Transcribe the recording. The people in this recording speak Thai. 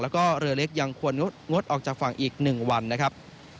แล้วก็เรือเล็กยังควรงดออกจากฝั่งอีก๑วันนะครับ